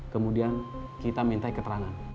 kemudian kita minta keterangan